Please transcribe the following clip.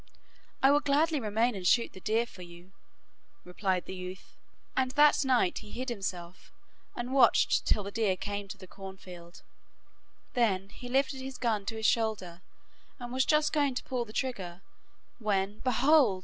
'I will gladly remain and shoot the deer for you,' replied the youth, and that night he hid himself and watched till the deer came to the cornfield; then he lifted his gun to his shoulder and was just going to pull the trigger, when, behold!